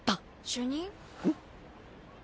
主任。